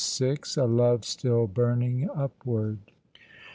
"a love still burning upward."